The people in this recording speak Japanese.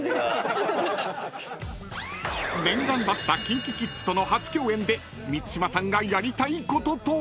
［念願だったＫｉｎＫｉＫｉｄｓとの初共演で満島さんがやりたいこととは？］